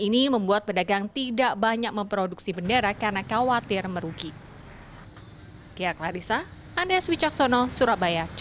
ini membuat pedagang tidak banyak memproduksi bendera karena khawatir merugi kia clarissa